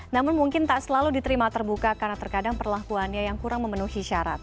namun mungkin tak selalu diterima terbuka karena terkadang perlakuannya yang kurang memenuhi syarat